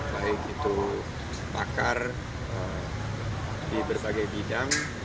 baik itu pakar di berbagai bidang